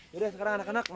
yaudah sekarang anak anaknya